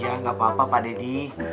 iya gak apa apa pak dedi